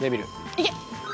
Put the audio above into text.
いけ。